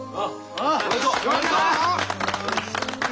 おめでとう！